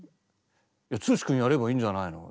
「剛君やればいいんじゃないの」。